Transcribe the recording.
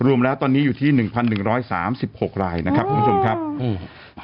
รวมแล้วตอนนี้อยู่ที่หนึ่งพันหนึ่งร้อยสามสิบหกรายนะครับคุณผู้ชมครับอืม